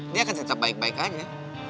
dia akan tetap baik baik aja